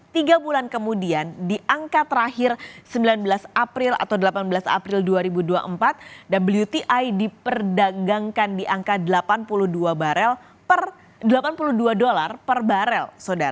tiga bulan kemudian di angka terakhir sembilan belas april atau delapan belas april dua ribu dua puluh empat wti diperdagangkan di angka delapan puluh dua barel per delapan puluh dua dolar per barel